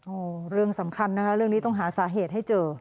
โอ้โหเรื่องสำคัญนะคะเรื่องนี้ต้องหาสาเหตุให้เจอ